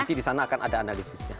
nanti disana akan ada analisisnya